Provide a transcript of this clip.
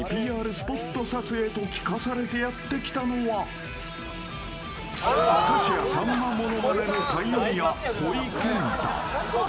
スポット撮影と聞かされてやってきたのは明石家さんまモノマネのパイオニア、ほいけんた。